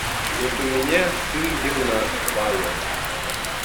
Вот у меня сын гимназист – Павел